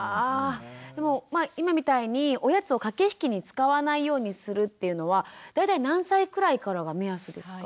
でもまあ今みたいにおやつを駆け引きに使わないようにするっていうのは大体何歳くらいからが目安ですか？